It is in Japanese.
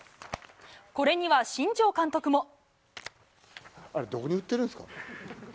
これには新庄監督も。